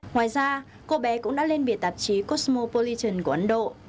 ngoài ra cô bé cũng đã lên biệt tạp chí cosmopolitan của ấn độ